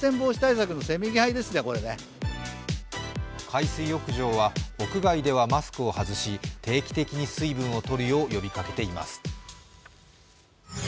海水浴場は、屋外ではマスクを外し定期的に水分を取るよう呼びかけています。